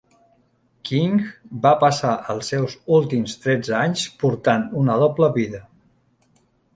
King va passar els seus últims tretze anys portant una doble vida.